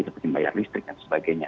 seperti membayar listrik dan sebagainya